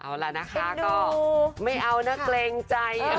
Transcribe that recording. เอาล่ะนะคะก็ไม่เอานะเกรงใจ